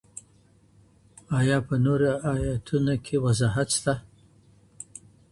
آيا په نورو آياتونو کي وضاحت سته؟